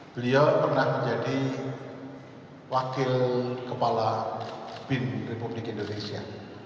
beliau pernah menjadi wakil kepala bin republik indonesia